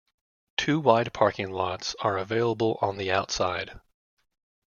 Two wide parking lots are available on the outside.